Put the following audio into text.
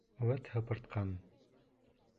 Үәт, һыпыртҡан...